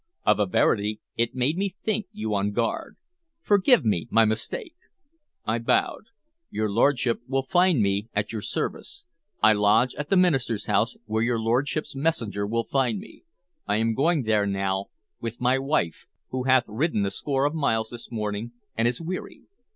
"Of a verity it made me think you on guard. Forgive me my mistake." I bowed. "Your lordship will find me at your service. I lodge at the minister's house, where your lordship's messenger will find me. I am going there now with my wife, who hath ridden a score of miles this morning and is weary.